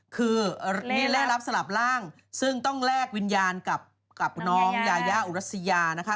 คือนี่ได้รับสลับร่างซึ่งต้องแลกวิญญาณกับน้องยายาอุรัสยานะคะ